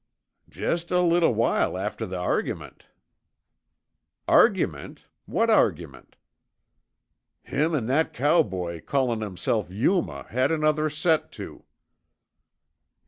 "Jest a little while after the argyment." "Argument? What argument?" "Him an' that cowboy callin' himself Yuma had another set to."